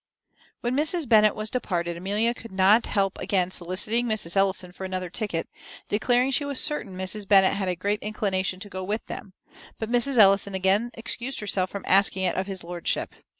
When Mrs. Bennet was departed, Amelia could not help again soliciting Mrs. Ellison for another ticket, declaring she was certain Mrs. Bennet had a great inclination to go with them; but Mrs. Ellison again excused herself from asking it of his lordship.